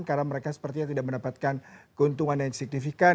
karena mereka sepertinya tidak mendapatkan keuntungan yang signifikan